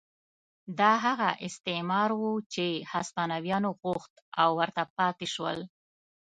دا هغه استعمار و چې هسپانویانو غوښت او ورته پاتې شول.